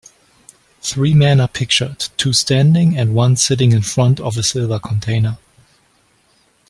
Three men are pictured, two standing and one sitting in front of silver container.